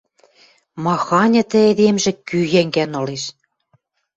Маханьы тӹ эдемжӹ кӱ йӓнгӓн ылеш!